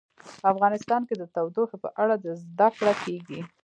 افغانستان کې د تودوخه په اړه زده کړه کېږي.